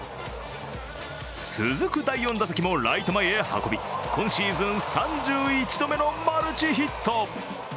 続く第４打席もライト前へ運び今シーズン３１度目のマルチヒット。